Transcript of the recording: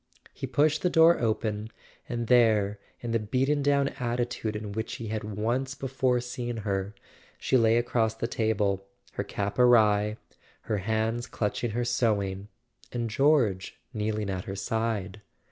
He pushed the door open, and there, in the beaten down attitude in which he had once before seen her, she lay across the table, her cap awry, her hands clutch¬ ing her sewing, and George kneeling at her side.